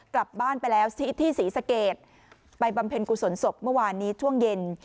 กลับบ้านไปแล้วที่ศรีสะเกดไปบำเพ็ญกุศลศพเมื่อวานนี้ช่วงเย็น